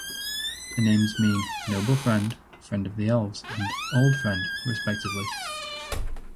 The names mean "noble friend", "friend of the elves", and "old friend" respectively.